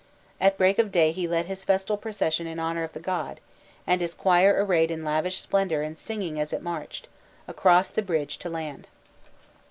At break of day he led his festal procession in honour of the god, and his choir arrayed in lavish splendour and singing as it marched, across the bridge to land.